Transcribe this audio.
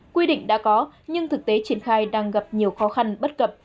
quy định đã có nhưng thực tế triển khai đang gặp nhiều khó khăn bất cập